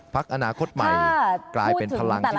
พักอนาคตใหม่เป็นพลังสำคัญของการเนินไทย